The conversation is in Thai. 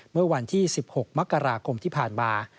เมื่อวันที่๑๖มกราคมที่ผ่านมา